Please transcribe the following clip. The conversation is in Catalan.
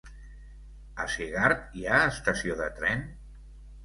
A Segart hi ha estació de tren?